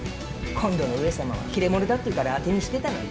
今度の上様は切れ者だっていうから当てにしてたのに。